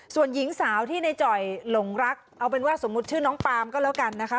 ส่วนหญิงสาวที่ในจ่อยหลงรักเอาเป็นว่าสมมุติชื่อน้องปามก็แล้วกันนะคะ